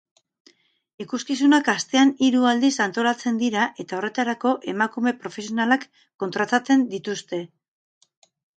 Ikuskizunak astean hiru aldiz antolatzen dira eta horretarako emakume profesionalak kontratatzen dituzte.